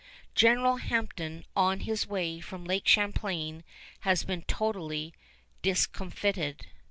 General Hampton on his way from Lake Champlain has been totally discomfited.